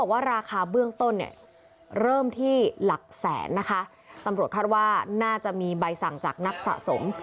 ว่าราคาเบื้องต้นเนี่ยเริ่มที่หลักแสนนะคะตำรวจคาดว่าน่าจะมีใบสั่งจากนักสะสม